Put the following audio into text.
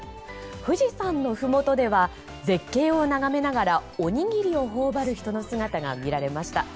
富士山のふもとでは絶景を眺めながらおにぎりを頬張る人の姿が見られました。